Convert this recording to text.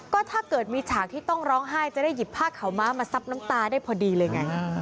ก็ถ้าเกิดมีฉากที่ต้องร้องไห้จะได้หยิบผ้าขาวม้ามาซับน้ำตาได้พอดีเลยไง